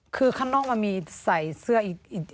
คือข้างนอกมันมีใส่เสื้ออีก